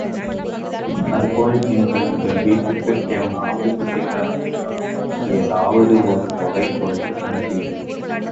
அதுபோல் இன்று உங்கள் வீட்டுக்கு எவனாவ்து பிச்சைக்காரன் வந்தால், ஏதாவது ஒரு தொகை கொடுத்து அனுப்பிவிடுங்கள்.